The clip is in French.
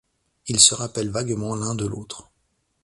Ils se rappellent vaguement l'un de l'autre.